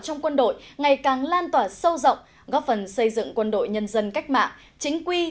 trong quân đội ngày càng lan tỏa sâu rộng góp phần xây dựng quân đội nhân dân cách mạng chính quy